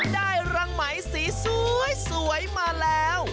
รังไหมสีสวยมาแล้ว